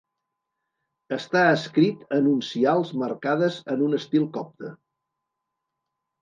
Està escrit en uncials marcades en un estil copte.